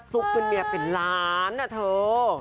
ซุกเป็นเมียเป็นล้านนะเธอ